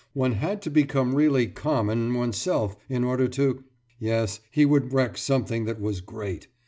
One had to become really common oneself in order to.... Yes, he would wreck something that was great!